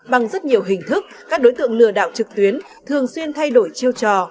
bằng rất nhiều hình thức các đối tượng lừa đảo trực tuyến thường xuyên thay đổi chiêu trò